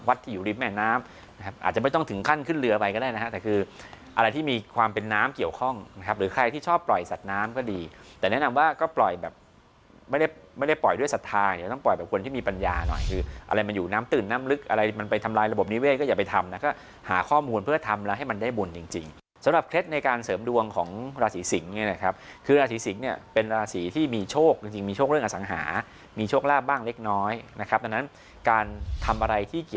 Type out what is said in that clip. วัดที่อยู่ริมแม่น้ำนะครับอาจจะไม่ต้องถึงขั้นขึ้นเรือไปก็ได้นะครับแต่คืออะไรที่มีความเป็นน้ำเกี่ยวข้องนะครับหรือใครที่ชอบปล่อยสัตว์น้ำก็ดีแต่แนะนำว่าก็ปล่อยแบบไม่ได้ปล่อยด้วยสัตว์ทางเนี่ยต้องปล่อยแบบคนที่มีปัญญาหน่อยคืออะไรมันอยู่น้ำตื่นน้ำลึกอะไรมันไปทำลายระบบนิเวศก็อย่าไปทำนะก็หาข้